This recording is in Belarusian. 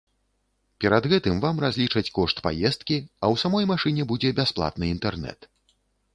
Перад гэтым вам разлічаць кошт паездкі, а ў самой машыне будзе бясплатны інтэрнэт.